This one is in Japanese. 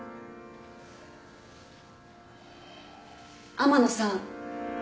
天野さん。